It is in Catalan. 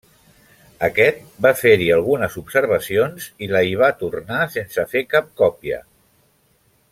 Aquest va fer-hi algunes observacions i la hi va tornar, sense fer cap còpia.